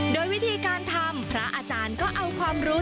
โดยวิธีการทำพระอาจารย์ก็เอาความรู้